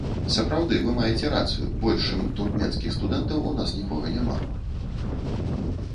Сапраўды, вы маеце рацыю, больш, чым туркменскіх студэнтаў, у нас нікога няма.